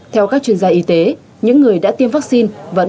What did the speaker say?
theo các chuyên gia y tế những người đã tiêm vaccine vẫn